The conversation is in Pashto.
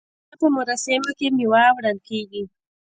د کوژدې په مراسمو کې میوه وړل کیږي.